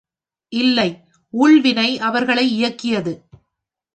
இல்லை ஊழ்வினை அவர்களை இயக்கியது.